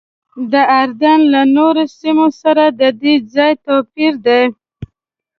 د اردن له نورو سیمو سره ددې ځای توپیر دی.